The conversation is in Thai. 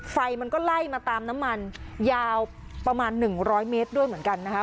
ไฟมันก็ไล่มาตามน้ำมันยาวประมาณ๑๐๐เมตรด้วยเหมือนกันนะคะ